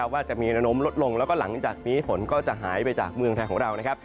ว่าจะมีระนมลดลงแล้วก็หลังจากนี้ฝนก็จะหายไปจากเมืองไทยของเรานะครับ